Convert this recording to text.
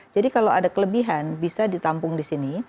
jadi kalau ada kelebihan bisa ditampung di sini